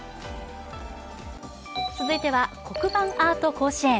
続いては黒板アート甲子園。